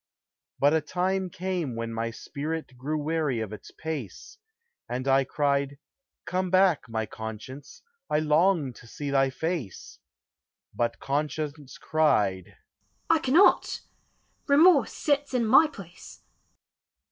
But a time came when my spirit Grew weary of its pace: And I cried, "Come back, my Conscience, I long to see thy face;" But Conscience cried, "I cannot, Remorse sits in my place."